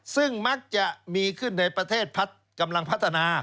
ซึ่งมักจะมีขึ้นในประเทศพัฒน์กำลังพัฒนา